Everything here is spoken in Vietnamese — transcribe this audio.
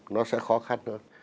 nó sẽ khó khăn hơn